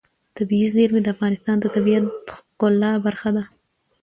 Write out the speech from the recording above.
طبیعي زیرمې د افغانستان د طبیعت د ښکلا برخه ده.